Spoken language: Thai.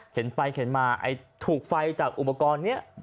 เข็นไปเข็นมาถูกไฟจากอุปกรณ์เนี้ย